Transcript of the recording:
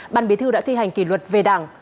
ban bí thư đã thi hành kỷ luật về đảng